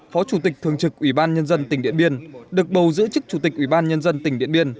phó chủ tịch thường trực ủy ban nhân dân tỉnh điện biên được bầu giữ chức chủ tịch ủy ban nhân dân tỉnh điện biên